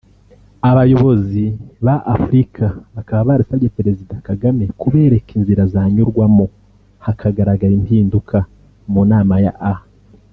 Abayobozi ba Afurika bakaba barasabye perezida Kagame kubereka inzira zanyurwamo hakagaragara impinduka mu nama ya A